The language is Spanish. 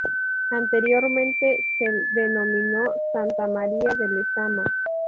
Anteriormente se denominó Santa María de Lezama.